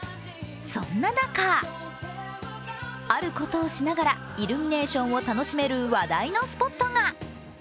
そんな中、あることをしながらイルミネーションを楽しめる話題のスポットが。